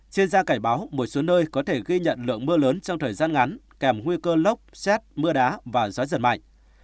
chuyên gia cảnh báo một số nơi có thể ghi nhận lượng mưa lớn trong thời gian ngắn kèm nguy cơ lốc xét mưa đá và gió giật mạnh